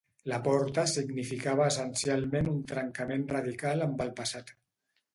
Laporta significava essencialment un trencament radical amb el passat.